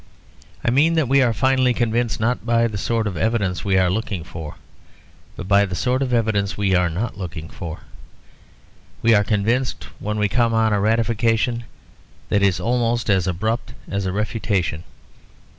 I mean that we are finally convinced not by the sort of evidence we are looking for, but by the sort of evidence we are not looking for. We are convinced when we come on a ratification that is almost as abrupt as a refutation.